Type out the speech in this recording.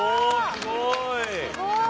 すごい！